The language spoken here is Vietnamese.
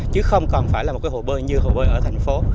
chứ không còn phải là một cái hồ bơi như hồ bơi ở thành phố